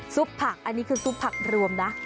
ผักอันนี้คือซุปผักรวมนะ